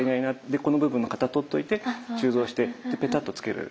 でこの部分の型とっといて鋳造してぺたっとつける。